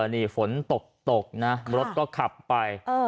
นี่ฝนตกตกนะรถก็ขับไป